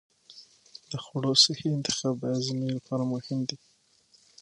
د خوړو صحي انتخاب د هاضمې لپاره مهم دی.